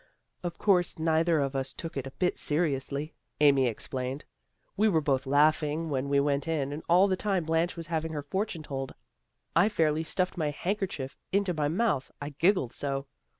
" Of course neither of us took it a bit seri ously," Amy explained. " We were both laugh ing when we went in and all the time Blanche was having her fortune told I fairly stuffed my handkerchief into my mouth, I giggled so.